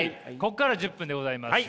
ここから１０分でございます。